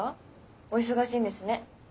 お忙しいんですね。